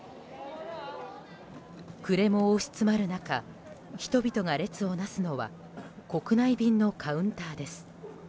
暮れも押し詰まる中人々が列をなすのは国内便のカウンターです。